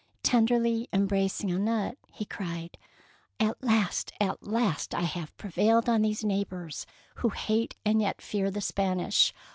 Tenderly embracing Annette, he cried, —" At last, at last have I prevailed on 201 DEEDS OF DAKING these neighbours who hate and yet fear the Spanish.